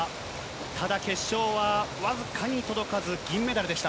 ただ決勝は、僅かに届かず、銀メダルでした。